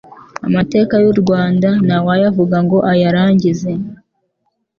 amateka y'u Rwanda ntawayavuga ngo ayarangize